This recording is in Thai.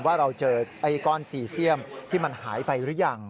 ว่าเราเจอไอ้ก้อนซีเซียมที่มันหายไปหรือยัง